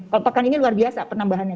kalau pekan ini luar biasa penambahannya